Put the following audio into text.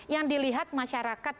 yang dilihat masyarakat